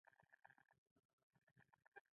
بل ځای یې ښخوله.